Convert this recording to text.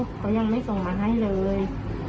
เขายังไม่ส่งมาให้เลย